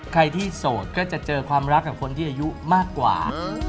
ใครที่โสดก็จะเจอความรักกับคนที่อายุมากกว่า